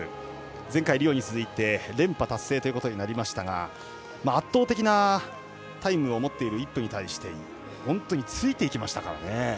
前回のリオに続いて連覇達成ということになりましたが圧倒的なタイムを持っているイップに対して本当についていきましたからね。